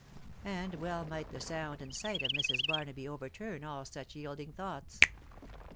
And well might the sound and sight of Mrs. Barnaby overturn all such yielding thoughts.